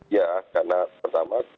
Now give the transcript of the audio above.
ya karena pertama